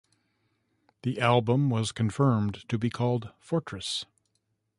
The album was confirmed to be called "Fortress".